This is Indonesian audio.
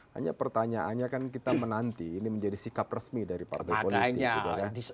hanya pertanyaannya kan kita menanti ini menjadi sikap resmi dari partai politik gitu kan